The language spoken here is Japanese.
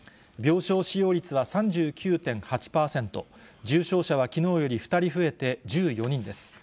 病床使用率は３９．８％、重症者はきのうより２人増えて１４人です。